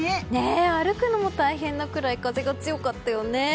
歩くのも大変なくらい風が強かったよね。